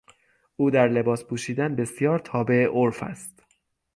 او در لباس پوشیدن بسیار تابع عرف است.